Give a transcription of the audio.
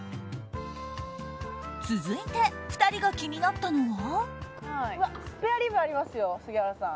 続いて、２人が気になったのは。